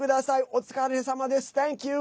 お疲れさまです。